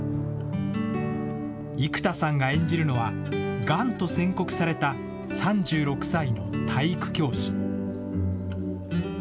生田さんが演じるのは、がんと宣告された３６歳の体育教師。